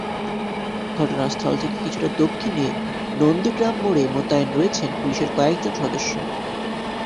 ঘটনাস্থল থেকে কিছুটা দক্ষিণে নন্দীগ্রাম মোড়ে মোতায়েন রয়েছেন পুলিশের কয়েকজন সদস্য।